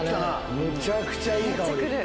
めちゃくちゃいい香り。